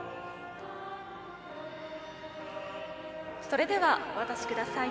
それではお渡しください。